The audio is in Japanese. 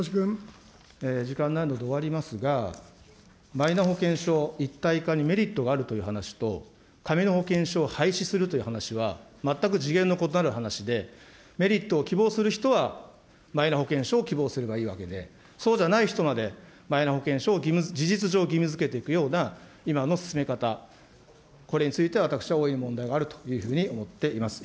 時間ないので終わりますが、マイナ保険証一体化にメリットがあるという話と、紙の保険証を廃止するという話は、全く次元の異なる話で、メリットを希望する人はマイナ保険証を希望すればいいわけで、そうじゃない人まで、マイナ保険証を事実上義務づけていくような、今の進め方、これについて、私は大いに問題があるというふうに思っています。